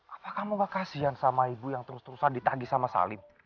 apa kamu gak kasian sama ibu yang terus terusan ditagi sama salim